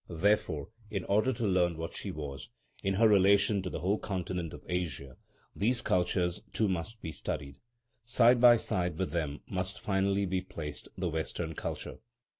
Therefore, in order to learn what she was, in her relation to the whole continent of Asia, these cultures too must be studied. Side by side with them must finally be placed the Western culture.